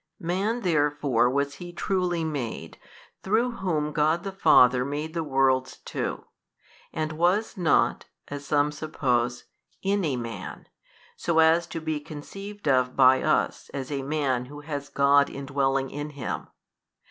Man therefore was He truly made, through Whom God the Father made the worlds too; and was not (as some suppose) in a man, so as to be conceived of by us as a man who has God indwelling in him.